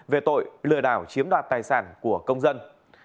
về tội lừa đảo chiếm đoạt tài sản của công dân